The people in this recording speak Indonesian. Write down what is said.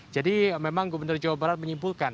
jadi memang gubernur jawa barat menyimpulkan